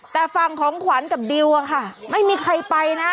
แต่ฝั่งของขวัญกับดิวอะค่ะไม่มีใครไปนะ